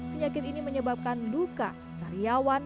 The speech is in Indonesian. penyakit ini menyebabkan luka sariawan